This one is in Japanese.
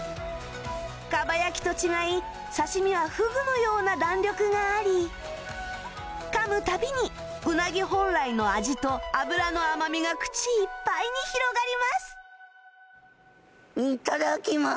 かば焼きと違い刺身はフグのような弾力があり噛む度にうなぎ本来の味と脂の甘みが口いっぱいに広がります